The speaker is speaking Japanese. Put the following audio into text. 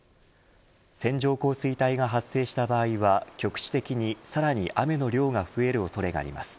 線状降水帯が発生した場合は局地的に、さらに雨の量が増える恐れがあります。